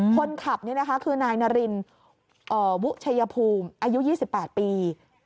คนขับนี่นะคะคือนายนารินวุชัยภูมิอายุ๒๘ปี